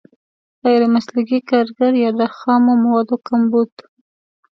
غیر مسلکي کارګر یا د خامو موادو کمبود.